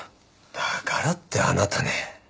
だからってあなたね。